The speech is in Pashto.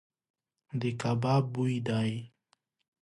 د کباب بوی دی .